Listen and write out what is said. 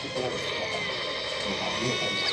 We are not permitted to do so.